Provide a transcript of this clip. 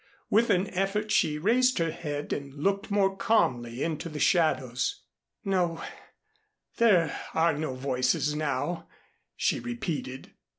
With an effort she raised her head and looked more calmly into the shadows. "No, there are no voices now," she repeated.